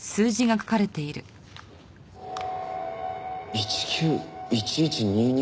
「１９１１２２」。